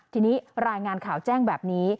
ทีนี้รายงานข่าวแจ้งแบบนี้